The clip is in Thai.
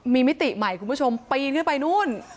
มีมิติใหม่คุณผู้ชมปีนขึ้นไปนู่น